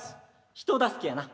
人助けやな。